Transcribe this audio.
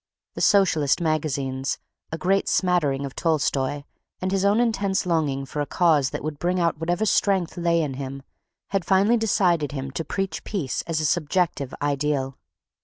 The socialist magazines, a great smattering of Tolstoi, and his own intense longing for a cause that would bring out whatever strength lay in him, had finally decided him to preach peace as a subjective ideal.